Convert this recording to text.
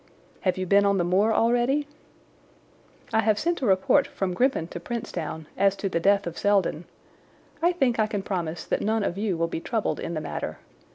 "Have you been on the moor already?" "I have sent a report from Grimpen to Princetown as to the death of Selden. I think I can promise that none of you will be troubled in the matter.